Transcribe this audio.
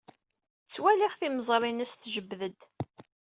Ttwaliɣ timeẓri-nnes tjebbed-d.